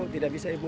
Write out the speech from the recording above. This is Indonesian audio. tidak bisa ibu